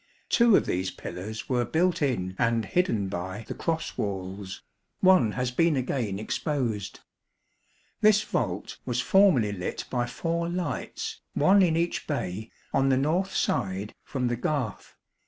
Two of these pillars were built in and hidden by the cross walls; one has been again exposed. This vault was formerly lit by four lights, one in each bay, on the north side, from the garth.